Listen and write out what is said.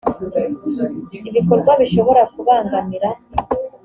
ibikorwa bishobora kubangamira